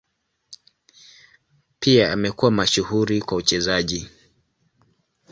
Pia amekuwa mashuhuri kwa uchezaji.